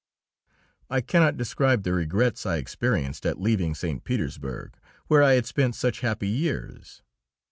I cannot describe the regrets I experienced at leaving St. Petersburg, where I had spent such happy years.